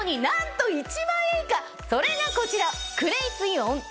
それがこちら。